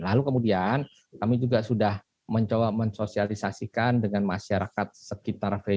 lalu kemudian kami juga sudah mencoba mensosialisasikan dengan masyarakat sekitar venue